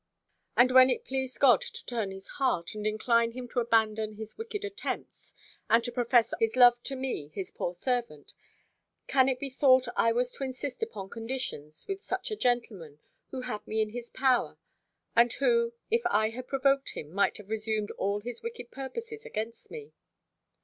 and when it pleased God to turn his heart, and incline him to abandon his wicked attempts, and to profess honourable love to me, his poor servant, can it be thought I was to insist upon conditions with such a gentleman, who had me in his power; and who, if I had provoked him, might have resumed all his wicked purposes against me?